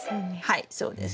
はいそうです。